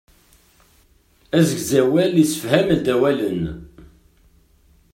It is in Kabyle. Asegzawal issefham-d awalen.